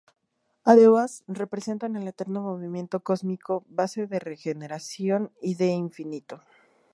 Además, representan el eterno movimiento cósmico, base de regeneración y de infinito.